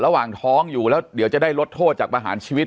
ระหว่างท้องอยู่แล้วเดี๋ยวจะได้ลดโทษจากประหารชีวิต